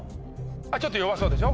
ちょっと弱そうでしょ。